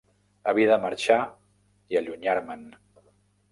Havia de marxar i allunyar-me'n.